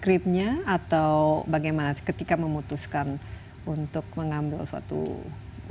scriptnya atau bagaimana ketika memutuskan untuk mengambil suatu peran